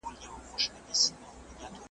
په مالت کي خاموشي سوه وخت د جام سو .